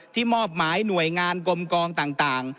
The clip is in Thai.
มอบหมายหน่วยงานกลมกองต่าง